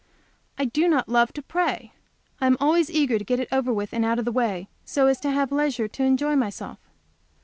I do not love to pray. I am always eager to get it over with and out of the way so as to have leisure to enjoy myself.